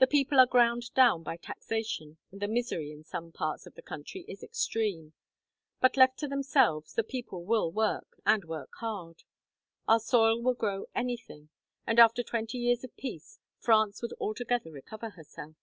The people are ground down by taxation, and the misery in some parts of the country is extreme; but left to themselves the people will work, and work hard. Our soil will grow anything, and after twenty years of peace, France would altogether recover herself."